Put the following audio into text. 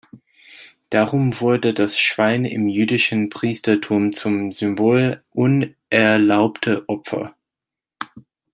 Darum wurde das Schwein im jüdischen Priestertum zum Symbol unerlaubter Opfer.